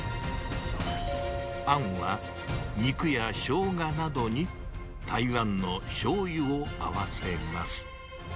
あんは、肉やショウガなどに、台湾のしょうゆを合わせます。